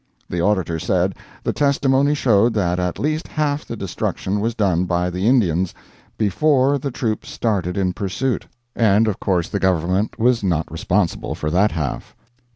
The Auditor said the testimony showed that at least half the destruction was done by the Indians "before the troops started in pursuit," and of course the government was not responsible for that half.